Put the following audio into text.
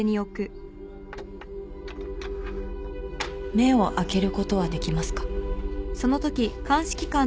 目を開けることはできますか？